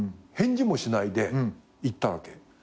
返事もしないで行ったわけ。